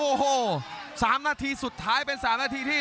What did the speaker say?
โอ้โห๓นาทีสุดท้ายเป็น๓นาทีที่